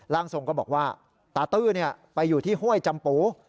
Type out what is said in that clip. ทรงก็บอกว่าตาตื้อไปอยู่ที่ห้วยจำปู